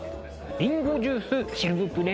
りんごジュースシルブプレ。